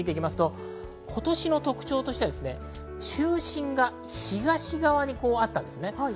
今年の特徴は中心が東側にあったんです。